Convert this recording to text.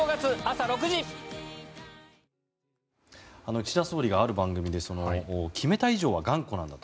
岸田総理がある番組で決めた以上は頑固だと。